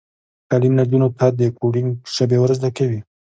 تعلیم نجونو ته د کوډینګ ژبې ور زده کوي.